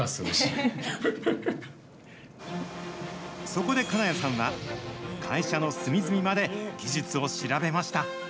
そこで金谷さんは、会社の隅々まで技術を調べました。